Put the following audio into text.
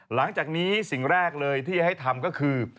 หลังจากนี้สิ่งแรกเลยที่จะให้ทำก็คือ